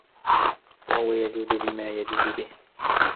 وَهُوَ يَجُودُ بِمَا يَجُودُ بِهِ